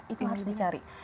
itu harus dicari